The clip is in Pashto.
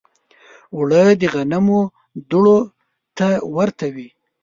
اوړه د غنمو دوړو ته ورته وي